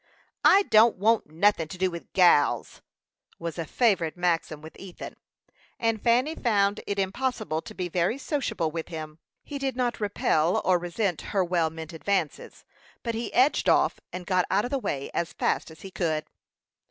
"I don't want nothin' to do with gals," was a favorite maxim with Ethan; and Fanny found it impossible to be very sociable with him. He did not repel or resent her well meant advances; but he edged off, and got out of the way as fast as he could.